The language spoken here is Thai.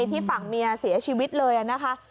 ที่ฝั่งเมียเสียชีวิตเลยนะคะ